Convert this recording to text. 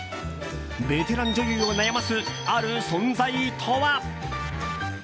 ベテラン女優を悩ますある存在とは。